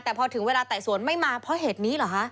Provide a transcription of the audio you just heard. แต่พอถึงเวลาไต่สวนไม่มาเพราะเหตุนี้เหรอคะ